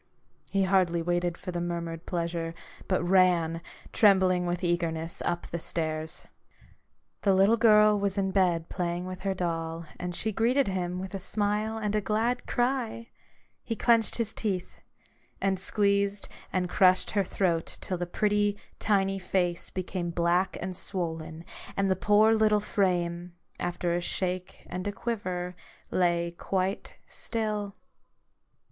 He hardly waited for the murmured pleasure, but ran, trembling with eagerness, up the stairs. The little girl was in bed playing with her doll, and she greeted him with a 124 A BOOK OF BARGAINS. smile and a glad cry. He clenched his teeth, and squeezed and crushed her throat till the pretty tiny face became black and swollen, and the poor little frame, after a shake and a quiver, lay quite still.